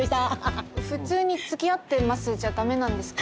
普通につきあってますじゃダメなんですか？